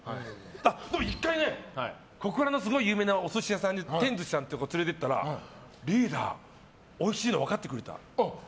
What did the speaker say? でも１回、すごい有名なお寿司屋さんに連れて行ったらリーダー、おいしいの分かってくれた。